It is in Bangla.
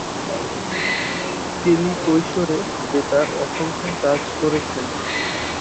কেলি কৈশোরে বেতার অসংখ্য কাজ করেছেন।